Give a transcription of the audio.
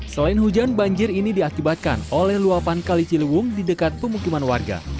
selain hujan banjir ini diakibatkan oleh luapan kali ciliwung di dekat pemukiman warga